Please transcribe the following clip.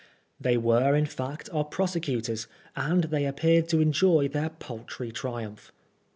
They were in fact our prose cutors, and they appeared to enjoy their paltry triumph.